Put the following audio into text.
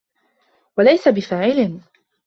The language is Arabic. وَلَيْسَ بِفَاعِلٍ